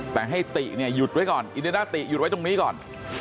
แต่ให้ติเนี่ยหยุดไว้ก่อนอินเดดาติหยุดไว้ตรงนี้ก่อน